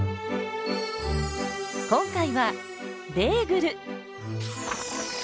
今回はベーグル！